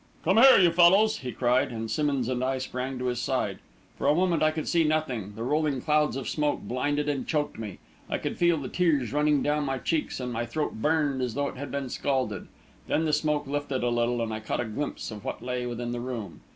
"Come here, you fellows!" he cried, and Simmonds and I sprang to his side. For a moment I could see nothing; the rolling clouds of smoke blinded and choked me; I could feel the tears running down my cheeks and my throat burned as though it had been scalded. Then the smoke lifted a little, and I caught a glimpse of what lay within the room.